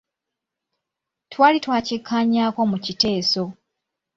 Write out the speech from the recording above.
Twali twakikkaanyaako mu kiteeso.